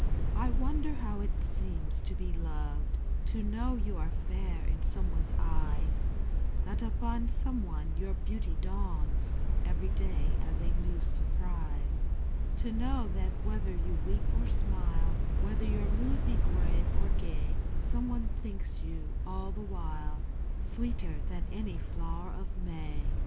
I wonder how it seems to be loved ; To know you are fair in someone's eyes ; That upon someone your beauty dawns Every day as a new surprise ; To know that, whether you weep or smile, Whether your mood be grave or gay, Somebody thinks you, all the while, Sweeter than any flower of May.